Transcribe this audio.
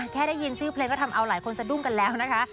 ได้ยินชื่อเพลงก็ทำเอาหลายคนสะดุ้งกันแล้วนะคะ